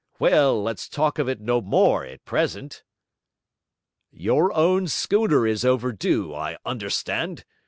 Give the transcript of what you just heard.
'Well, let's talk of it no more at present.' 'Your own schooner is overdue, I understand?'